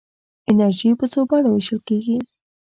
انرژي په څو بڼو ویشل کېږي.